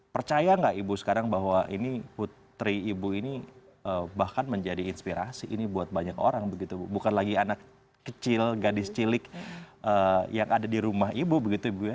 percaya nggak ibu sekarang bahwa ini putri ibu ini bahkan menjadi inspirasi ini buat banyak orang begitu bukan lagi anak kecil gadis cilik yang ada di rumah ibu begitu ibu ya